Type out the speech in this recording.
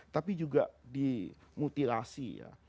tapi juga dimutilasi